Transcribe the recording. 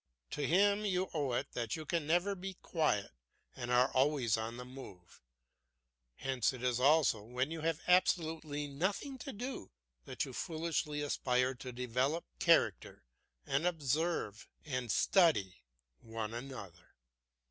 To him you owe it that you can never be quiet and are always on the move. Hence it is also, when you have absolutely nothing to do, that you foolishly aspire to develop character and observe and study one another.